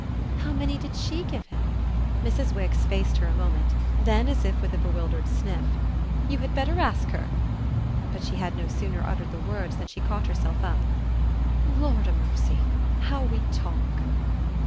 "How many did SHE give him?" Mrs. Wix faced her a moment; then as if with a bewildered sniff: "You had better ask her!" But she had no sooner uttered the words than she caught herself up. "Lord o' mercy, how we talk!"